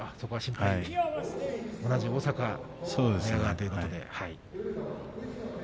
同じ大阪寝屋川ということで。